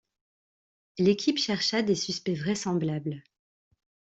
L'équipe chercha des suspects vraisemblables.